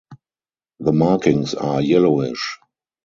The markings are yellowish.